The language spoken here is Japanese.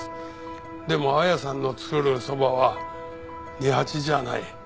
でも綾さんの作るそばは二八じゃない。